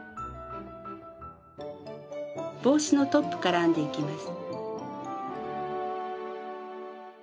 帽子のトップから編んでいきます。